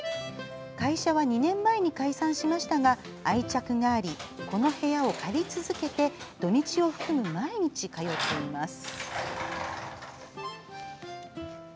会社は２年前に解散しましたが愛着がありこの部屋を借り続けて土日を含む毎日、通っています。